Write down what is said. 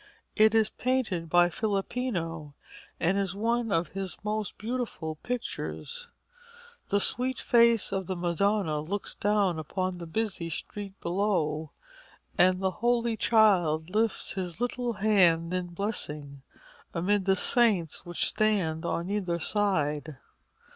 It is painted by Filippino, and is one of his most beautiful pictures. The sweet face of the Madonna looks down upon the busy street below, and the Holy Child lifts His little hand in blessing, amid the saints which stand on either side.